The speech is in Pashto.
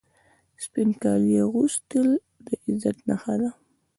سپین کالي اغوستل د عزت نښه ده.